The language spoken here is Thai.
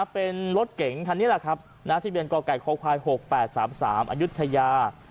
เป็นรถเก๋งคันนี้แหละครับทะเบียนกไก่คควาย๖๘๓๓อายุทยา